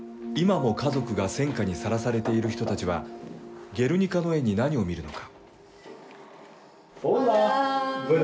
今も家族が戦禍にさらされている人たちは、ゲルニカの絵に何を見るのか。